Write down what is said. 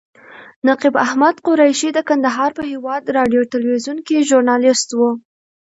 نقیب احمد قریشي د کندهار په هیواد راډیو تلویزیون کې ژورنالیست و.